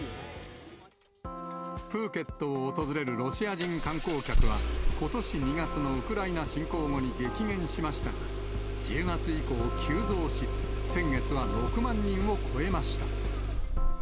プーケットを訪れるロシア人観光客は、ことし２月のウクライナ侵攻後に激減しましたが、１０月以降急増し、先月は６万人を超えました。